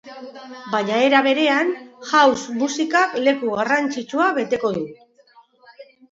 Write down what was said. Baina, era berean, house musikak leku garrantzitsua beteko du.